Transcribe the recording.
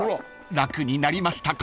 ［楽になりましたか？］